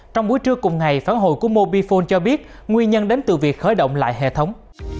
trong buổi trưa cùng ngày phản hồi của mobifone cho biết nguyên nhân đến từ việc khởi động lại hệ thống